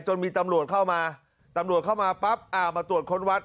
มีตำรวจเข้ามาตำรวจเข้ามาปั๊บอ่ามาตรวจค้นวัด